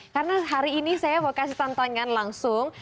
karena hari ini saya mau kasih tantangan langsung